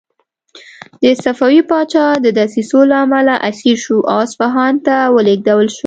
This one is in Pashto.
د صفوي پاچا د دسیسو له امله اسیر شو او اصفهان ته ولېږدول شو.